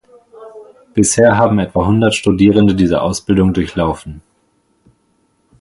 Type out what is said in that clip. Bisher haben etwa hundert Studierende diese Ausbildung durchlaufen.